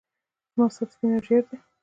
زما ساعت سپين او ژړ دی.